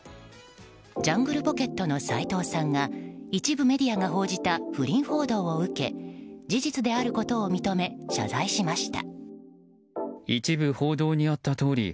ジャングルポケットの斉藤さんが一部メディアが報じた不倫報道を受け事実であることを認め謝罪しました。